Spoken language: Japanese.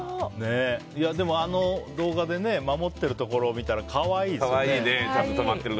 でも、あの動画で守っているところを見たら可愛いですよね。